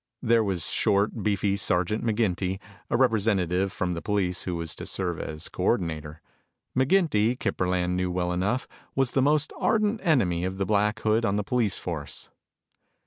There was short, beefy Sergeant McGinty, a representative from the police who was to serve as coordinator. McGinty, Kip Burland knew well enough, was the most ardent enemy of the Black Hood on the police force.